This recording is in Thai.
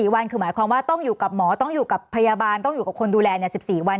วันคือหมายความว่าต้องอยู่กับหมอต้องอยู่กับพยาบาลต้องอยู่กับคนดูแล๑๔วัน